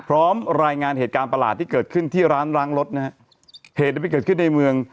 พร้อมรายงานเหตุการณ์ประหลาดที่เกิดขึ้นที่ร้านล้างรถนะฮะเหตุนั้นไปเกิดขึ้นในเมือง